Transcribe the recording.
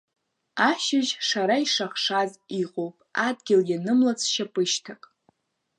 Ашьыжь шара ишахшаз иҟоуп, адгьыл ианымлац шьапышьҭак.